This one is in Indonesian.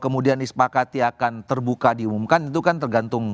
kalau itu pak kati akan terbuka diumumkan itu kan tergantung